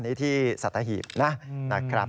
อันนี้ที่สัตหีพนะครับ